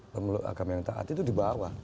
pemeluk agama yang taat itu di bawah